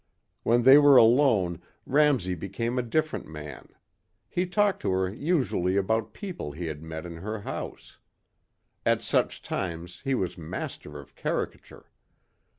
When they were alone Ramsey became a different man. He talked to her usually about people he had met in her house. At such times he was master of caricature.